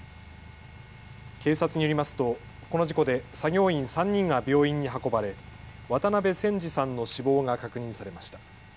警察によりますとこの事故で作業員３人が病院に運ばれ渡辺仙二さんの死亡が確認されました。